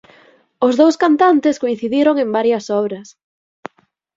Os dous cantantes coincidiron en varias obras.